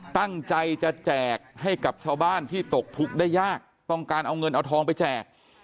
ตั้งใจจะแจกให้กับชาวบ้านที่ตกทุกข์ได้ยากต้องการเอาเงินเอาทองไปแจก